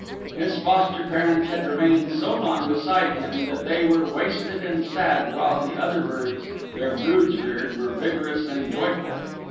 His foster parents had remained so long beside him that they were wasted and sad while the other birds, their broods reared, were vigorous and joyful.